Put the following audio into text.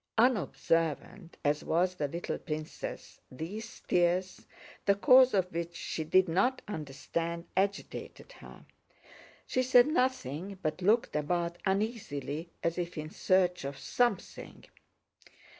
Unobservant as was the little princess, these tears, the cause of which she did not understand, agitated her. She said nothing but looked about uneasily as if in search of something.